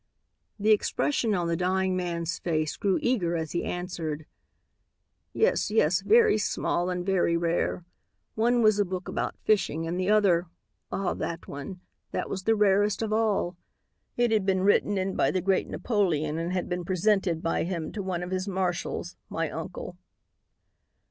The expression on the dying man's face grew eager as he answered, "Yes, yes, very small and very rare. One was a book about fishing and the other ah, that one! that was the rarest of all. It had been written in by the great Napoleon and had been presented by him to one of his marshals, my uncle."